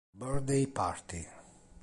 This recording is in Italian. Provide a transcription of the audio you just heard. Birthday Party